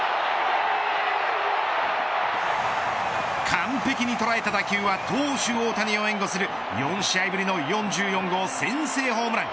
完璧にとらえた打球は投手大谷を援護する４試合ぶりの４４号先制ホームラン。